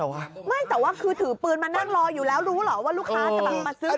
ไม่แต่ว่าคือถือปืนมานั่งรออยู่แล้วรู้เหรอว่าลูกค้าจะแบบมาซื้อ